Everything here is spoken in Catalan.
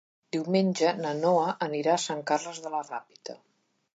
Diumenge na Noa anirà a Sant Carles de la Ràpita.